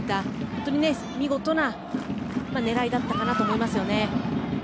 本当に見事な狙いだったと思います。